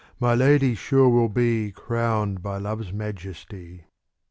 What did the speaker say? My Lady sure will be Crowned by Love's majesty.